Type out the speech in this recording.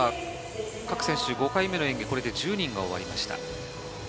各選手、５回目の演技、これで１０人が終わりました。